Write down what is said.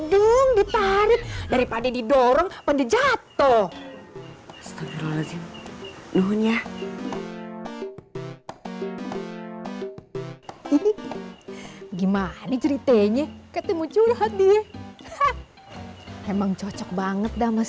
dong ditarik daripada didorong pendejato setengah lazim dunia